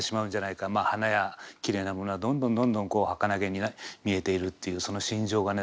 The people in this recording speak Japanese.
花やきれいなものはどんどんどんどんはかなげに見えているっていうその心情がね